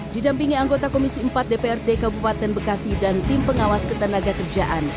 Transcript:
didampingi anggota komisi empat dprd kabupaten bekasi dan tim pengawas ketenaga kerjaan